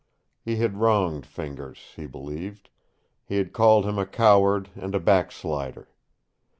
He had wronged Fingers, he believed. He had called him a coward and a backslider.